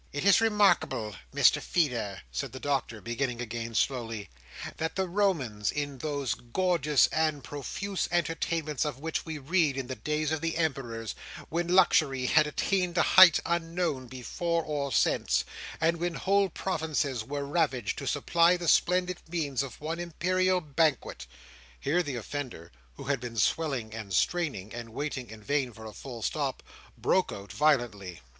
"It is remarkable, Mr Feeder," said the Doctor, beginning again slowly, "that the Romans, in those gorgeous and profuse entertainments of which we read in the days of the Emperors, when luxury had attained a height unknown before or since, and when whole provinces were ravaged to supply the splendid means of one Imperial Banquet—" Here the offender, who had been swelling and straining, and waiting in vain for a full stop, broke out violently.